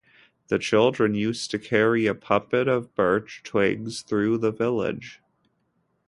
The children used to carry a puppet of birch twigs through the village.